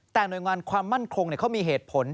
แต่หน่วยงานความมั่นคงเขามีเหตุผล